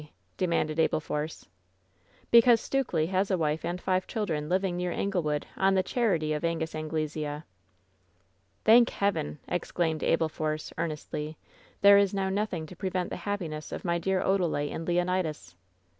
demanded Abel Force. "Because Stukely has a wife and five children living near Anglewood on the charity of Angus Anglesea." "Thank Heaven!" exclaimed Abel Force, earnestly. "There is now nothing to prevent the happiness of my dear Odalite and Leonidas."